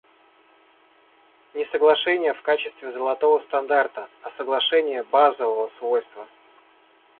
Не соглашения в качестве золотого стандарта, а соглашения базового свойства.